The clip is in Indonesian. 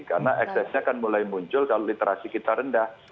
karena eksesnya akan mulai muncul kalau literasi kita rendah